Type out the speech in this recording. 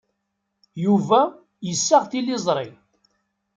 Yuba yessaɣ tiliẓri.